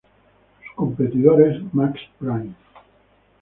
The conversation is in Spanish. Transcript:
Su competidor es Max Prime.